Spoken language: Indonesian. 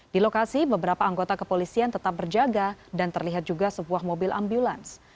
di lokasi beberapa anggota kepolisian tetap berjaga dan terlihat juga sebuah mobil ambulans